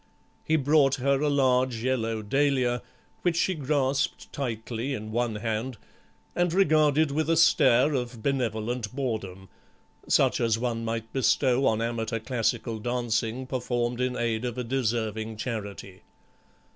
He brought her a large yellow dahlia, which she grasped tightly in one hand and regarded with a stare of benevolent boredom, such as one might bestow on amateur classical dancing performed in aid of a deserving charity.